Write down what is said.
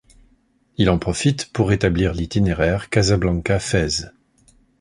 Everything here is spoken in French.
Il en profite pour établir l'itinéraire Casablanca-Fez.